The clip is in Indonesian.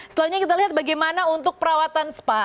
selanjutnya kita lihat bagaimana untuk perawatan spa